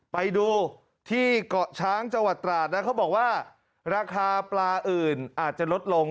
ไปดูที่เกาะช้างจังหวัดตราดนะเขาบอกว่าราคาปลาอื่นอาจจะลดลง